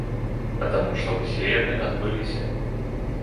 А таму што ўсе яны адбыліся.